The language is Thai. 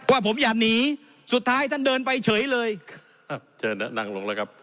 ว่าผมอย่าหนีสุดท้ายท่านเดินไปเฉยเลยครับเชิญนั่งลงแล้วครับ